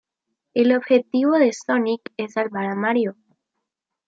El objetivo de Sonic es salvar a Mario.